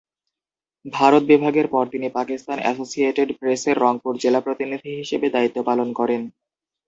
ভারত বিভাগের পর তিনি পাকিস্তান অ্যাসোসিয়েটেড প্রেসের রংপুর জেলা প্রতিনিধি হিসেবে দায়িত্ব পালন করেন।